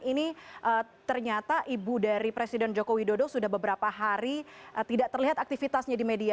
ini ternyata ibu dari presiden joko widodo sudah beberapa hari tidak terlihat aktivitasnya di media